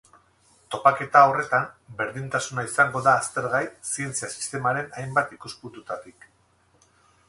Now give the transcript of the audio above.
Topaketa horretan, berdintasuna izango da aztergai zientzia-sistemaren hainbat ikuspuntutatik.